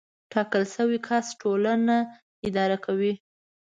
ټاکل شوی کس ټولنه اداره کوي.